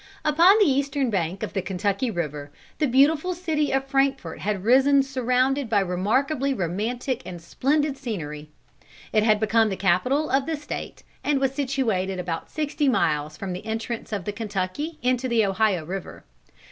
Upon the eastern bank of the Kentucky River, the beautiful city of Frankfort had risen surrounded by remarkably romantic and splendid scenery. It had become the capital of the State, and was situated about sixty miles from the entrance of the Kentucky into the Ohio River.